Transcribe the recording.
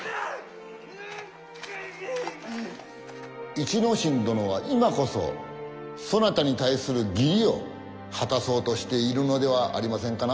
一之進殿は今こそそなたに対する義理を果たそうとしているのではありませんかな？